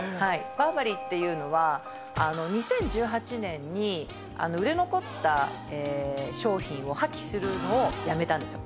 バーバリーっていうのは２０１８年に売れ残った商品を破棄するのをやめたんですよ。